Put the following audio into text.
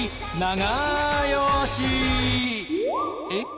えっ？